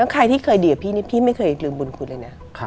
ใครที่เคยดีกับพี่นี่พี่ไม่เคยลืมบุญคุณเลยนะ